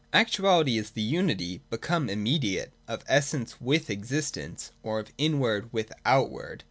142.] Actuality is the unity, become immediate, of essence with existence, or of inward with outward.